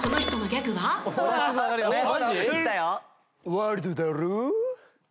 ワイルドだろぉ？